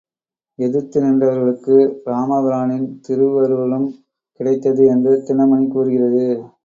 எதிர்த்து நின்றவர்களுக்கு இராமபிரானின் திருவருளும் கிடைத்தது என்று தினமணி கூறுகிறது.